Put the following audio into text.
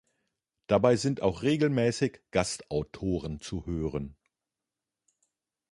Dabei sind auch regelmäßig Gastautoren zu hören.